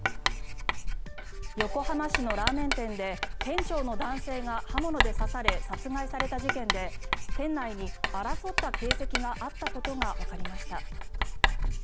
横浜市のラーメン店で店長の男性が刃物で刺され殺害された事件で店内に争った形跡があったことがわかりました。